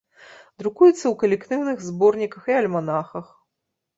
Друкуецца ў калектыўных зборніках і альманахах.